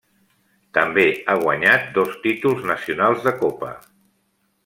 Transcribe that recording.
També ha guanyat dos títols nacionals de copa.